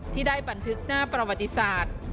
ที่ได้บันทึกหน้าประวัติศาสตร์